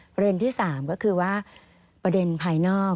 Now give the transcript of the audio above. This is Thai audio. ประเด็นที่๓ก็คือว่าประเด็นภายนอก